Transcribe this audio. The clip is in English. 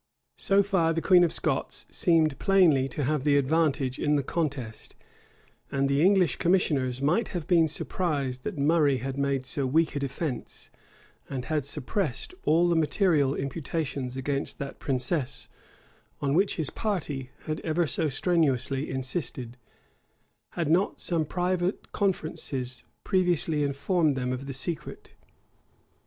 [*] So far the queen of Scots seemed plainly to have the advantage in the contest; and the English commissioners might have been surprised that Murray had made so weak a defence, and had suppressed all the material imputations against that princess, on which his party had ever so strenuously insisted, had not some private conferences previously informed them of the secret.